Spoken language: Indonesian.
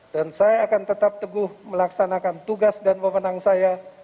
dan saya akan tetap teguh melaksanakan tugas dan memenang saya